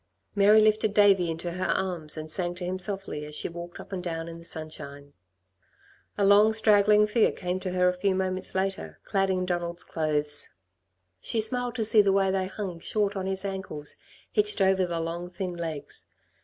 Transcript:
Mary lifted Davey into her arms, and sang to him softly as she walked up and down in the sunshine. A long, straggling figure came to her a few moments later, clad in Donald's clothes. She smiled to see the way they hung short of his ankles, hitched over the long, thin legs.